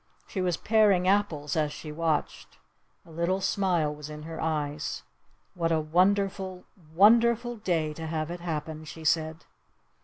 She was paring apples as she watched. A little smile was in her eyes. "What a wonderful wonderful day to have it happen!" she said.